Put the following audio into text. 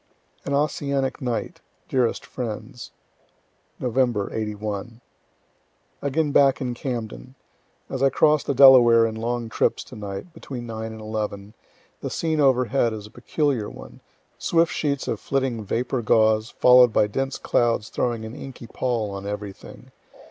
AN OSSIANIC NIGHT DEAREST FRIENDS Nov., '81. Again back in Camden. As I cross the Delaware in long trips tonight, between 9 and 11, the scene overhead is a peculiar one swift sheets of flitting vapor gauze, follow'd by dense clouds throwing an inky pall on everything.